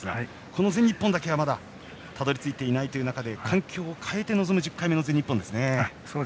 この全日本だけは、まだたどり着いていないという中で環境を変えて臨む１０回目の全日本。